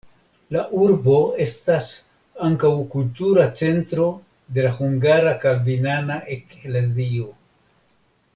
La urbo estas ankaŭ kultura centro de la hungara kalvinana eklezio.